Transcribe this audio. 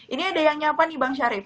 ini ada yangnya apa nih bang sharif